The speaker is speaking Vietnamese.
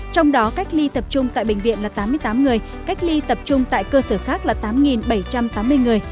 trong đó cách ly tập trung tại bệnh viện là tám mươi tám người cách ly tập trung tại cơ sở khác là tám bảy trăm tám mươi người